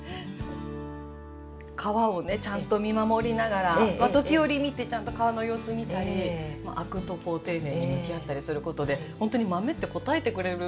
皮をねちゃんと見守りながら時折見てちゃんと皮の様子見たりアクと丁寧に向き合ったりすることでほんとに豆って応えてくれるじゃないですか。